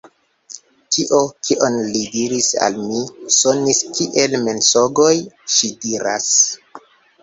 Tio, kion li diris al mi, sonis kiel mensogoj, ŝi diras.